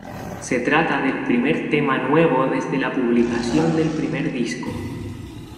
Se trata del primer tema nuevo desde la publicación del primer disco.